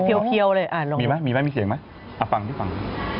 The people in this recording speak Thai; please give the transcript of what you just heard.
เป็นเพียวเลยอ่ะลองมีมั้ยมีมั้ยมีเสียงมั้ยเอ้าฟังฟิฟัง